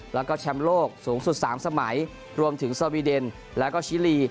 แล้วก็แชมป์โลกสูงสุด๓สมัยรวมถึงสวีเดนแล้วก็ชิลี